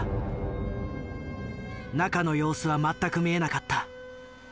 中の様子は全く見えなかった。